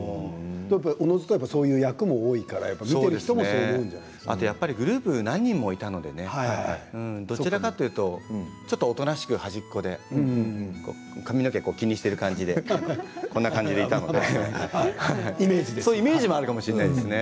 おのずとそういう役も多いから見てる人もグループ何人もいたのでどちらかというとちょっとおとなしく端っこで髪の毛気にしている感じでいたのでそういうイメージがあるかもしれないですね。